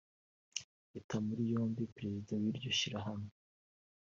Ita muri yombi Perezida w’iryo shyirahamwe